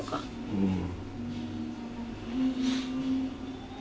うん。